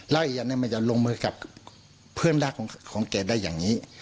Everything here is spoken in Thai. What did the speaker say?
แล้วอีกอย่างหนึ่งมันจะลงมือกับเพื่อนรักของแกได้อย่างนี้